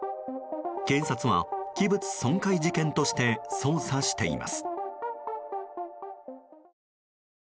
警察は器物損壊事件として捜査しています。